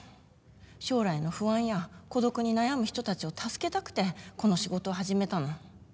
将来の不安や孤独に悩む人たちを助けたくてこの仕事を始めたの。